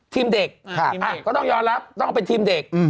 ทีมเด็กก็ต้องยอมรับต้องเป็นทีมเด็ก